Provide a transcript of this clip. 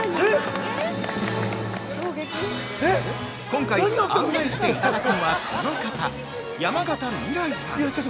今回、案内していただくのはこの方、山形みらいさん。